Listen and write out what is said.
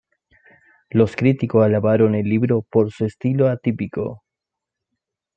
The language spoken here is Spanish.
Los críticos alabaron el libro por su estilo atípico.